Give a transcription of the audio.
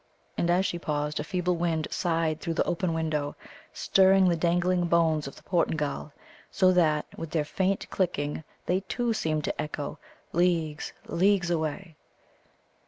And, as she paused, a feeble wind sighed through the open window, stirring the dangling bones of the Portingal, so that, with their faint clicking, they too, seemed to echo, "leagues, leagues away."